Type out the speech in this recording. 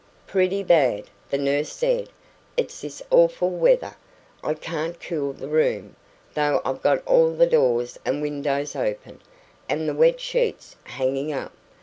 "Pretty bad," the nurse said. "It's this awful weather. I can't cool the room, though I've got all the doors and windows open, and the wet sheets hanging up.